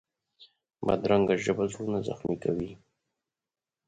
بدرنګه ژبه زړونه زخمي کوي